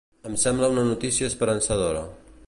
Em sembla una notícia esperançadora.